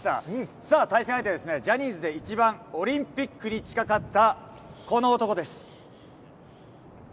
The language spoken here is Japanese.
さあ、対戦相手はですね、ジャニーズで一番オリンピックに近かったこの男です。